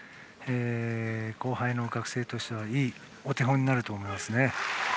後輩の学生としてはいいお手本になると思います。